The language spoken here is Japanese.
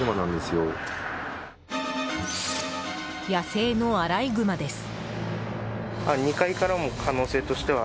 野生のアライグマです。